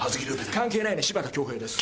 関係ないね紫田恭兵です。